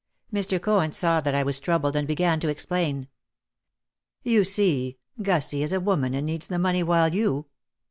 Mr. Cohen saw that I was troubled and began to explain. "You see, Gussie is a woman and needs the money while you